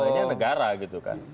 jawaban negara gitu kan